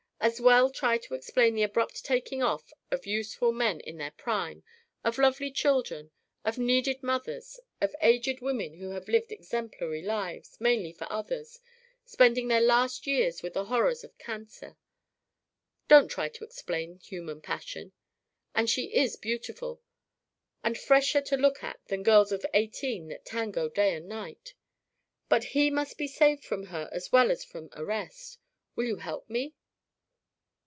As well try to explain the abrupt taking off of useful men in their prime, of lovely children, of needed mothers, of aged women who have lived exemplary lives, mainly for others, spending their last years with the horrors of cancer. Don't try to explain human passion. And she is beautiful, and fresher to look at than girls of eighteen that tango day and night. But he must be saved from her as well as from arrest. Will you help me?"